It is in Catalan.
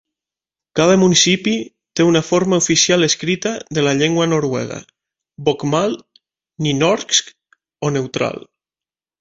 Cada municipi té una forma oficial escrita de la llengua noruega: bokmål, nynorsk o neutral.